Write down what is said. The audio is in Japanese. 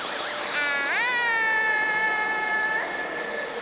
あ！